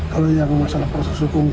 kalau yang masalah proses hukum